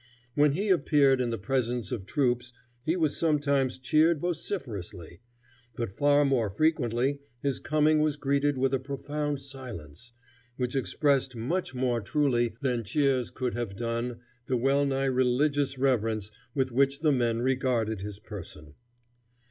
When he appeared in the presence of troops he was sometimes cheered vociferously, but far more frequently his coming was greeted with a profound silence, which expressed much more truly than cheers could have done the well nigh religious reverence with which the men regarded his person.